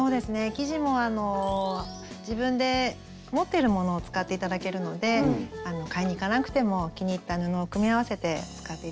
生地も自分で持ってるものを使って頂けるので買いに行かなくても気に入った布を組み合わせて使って頂いてもいいと思います。